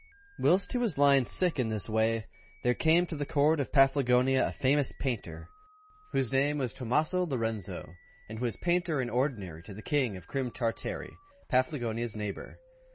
Whilst he was lying sick in this way, there came to the Court of Paflagonia a famous painter, whose name was Tomaso Lorenzo, and who was Painter in Ordinary to the King of Crim Tartary, Paflagonia's neighbour.